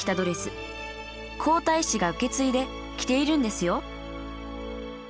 皇太子が受け継いで着ているんですよ